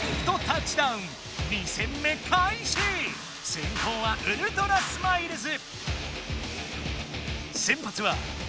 先攻はウルトラスマイルズ。